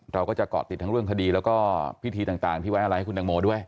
เราก็จะเกาะติดทั้งเรื่องคดีแล้วก็พิธีต่างที่ไว้อะไรให้คุณตังโมด้วย